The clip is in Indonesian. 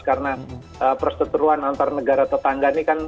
karena perseteruan antar negara tetangga ini kan